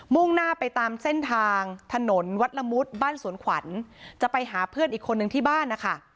่งหน้าไปตามเส้นทางถนนวัดละมุดบ้านสวนขวัญจะไปหาเพื่อนอีกคนนึงที่บ้านนะคะ